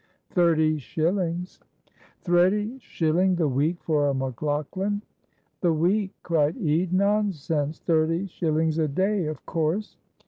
"Thirty shillings." "Thretty shilling the week for a McLaughlan!" "The week," cried Ede, "nonsense thirty shillings a day of course.